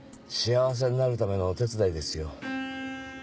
幸せになるためのお手伝いですよ。